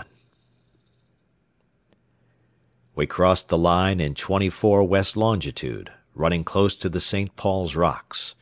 XXI We crossed the line in 24 west longitude, running close to the St. Paul's Rocks.